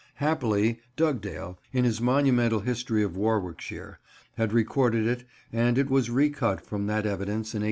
Happily Dugdale, in his monumental history of Warwickshire, had recorded it, and it was re cut from that evidence in 1836.